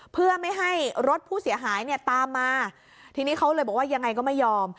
เพื่อไม่ให้รถผู้เสียหายเนี่ยตามมาทีนี้เขาเลยบอกว่ายังไงก็ไม่ยอม